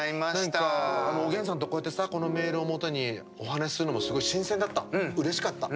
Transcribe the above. おげんさんと、こうやってさこのメールをもとにお話しするのもすごい新鮮だった。